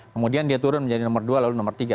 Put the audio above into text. kemudian dia turun menjadi nomor dua lalu nomor tiga